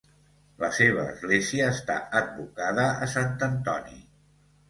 La seva església està advocada a Sant Antoni.